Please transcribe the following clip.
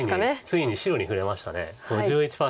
ついに白に振れました５１％。